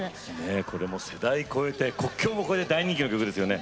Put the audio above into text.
これも世代超えて国境も越えて大人気の曲ですよね。